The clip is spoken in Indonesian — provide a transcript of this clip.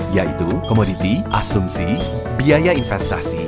yaitu komoditi asumsi biaya investasi